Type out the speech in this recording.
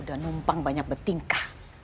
udah numpang banyak betingkah